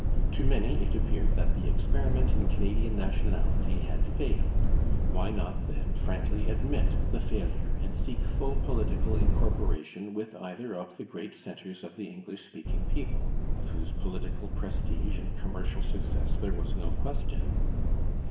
To many it appeared that the experiment in Canadian nationality had failed. Why not, then, frankly admit the failure and seek full political incorporation with either of the great centres of the English speaking people, of whose political prestige and commercial success there was no question?